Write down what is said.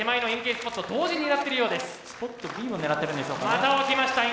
スポットＢを狙ってるんでしょうかね。